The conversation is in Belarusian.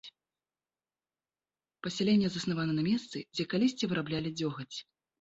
Пасяленне заснавана на месцы, дзе калісьці выраблялі дзёгаць.